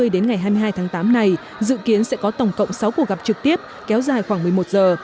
đến ngày hai mươi hai tháng tám này dự kiến sẽ có tổng cộng sáu cuộc gặp trực tiếp kéo dài khoảng một mươi một giờ